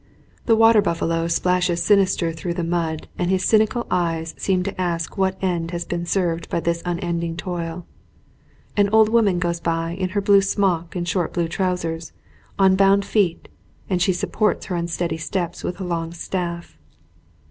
The water buffalo splashes sinister through the mud and his cynical eyes seem to ask what end has been served by this unending toil. An old woman goes by in her blue smock and short blue trousers, on bound feet, and she supports her unsteady steps with a long staff.